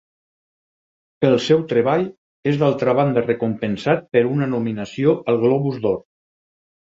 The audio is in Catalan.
El seu treball és d'altra banda recompensat per una nominació al Globus d'Or.